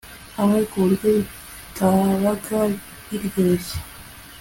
hamwe ku buryo bitabaga biryoshye